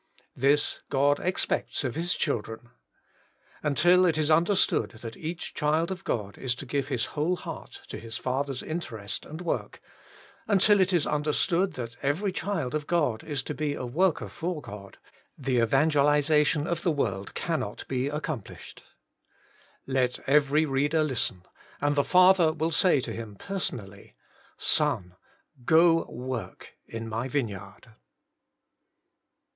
This God expects of His children. Until it is understood that each child of God is to give His whole heart to his Father's interest and work, until it is understood that every child of God is to be a worker for God, the evan gelisation of the world cannot be accom plished. Let every reader listen, and the Working for God 25 Father will say to him personally :' Son, go work in My vineyard.'